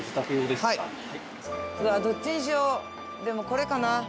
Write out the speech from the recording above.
でもこれかな。